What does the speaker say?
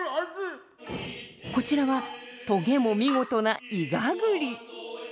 こちらはとげも見事なイガ栗。